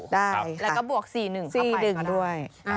ได้ค่ะเหลือ๔๗๖๖๖แล้วบวก๔๑เข้าไปก็ด้วย